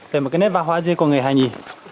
về một cái nét văn hóa riêng của người hà nhì